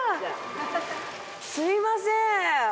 すみません。